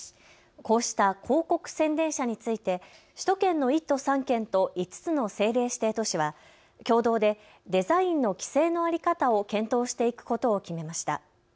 こうした広告宣伝車について首都圏の１都３県と５つの政令指定都市は共同でデザインの規制の在り方を検討していくことを決めました。